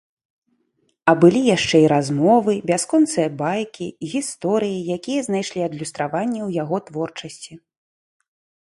А былі яшчэ і размовы, бясконцыя байкі, гісторыі, якія знайшлі адлюстраванне ў яго творчасці.